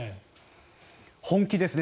本気ですね。